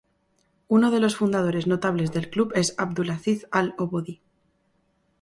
Uno de los fundadores notables del club es Abdulaziz Al-Obodi.